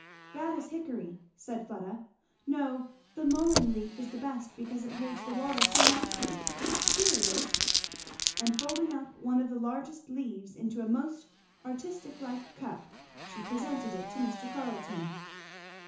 "That is hickory," said Fleda. "No; the mullein leaf is the best because it holds the water so nicely. Here it is! " And folding up one of the largest leaves into a most artist like cup, she presented it to Mr. Carleton.